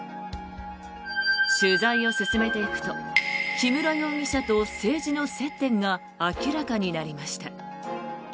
取材を進めていくと木村容疑者と政治の接点が明らかになりました。